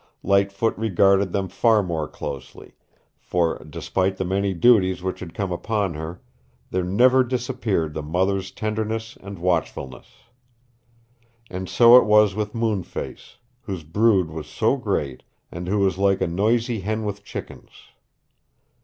Lightfoot regarded them far more closely, for, despite the many duties which had come upon her, there never disappeared the mother's tenderness and watchfulness. And so it was with Moonface, whose brood was so great, and who was like a noisy hen with chickens.